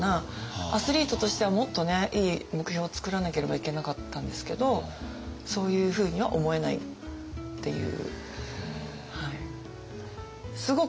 アスリートとしてはもっといい目標をつくらなければいけなかったんですけどそういうふうには思えないっていう。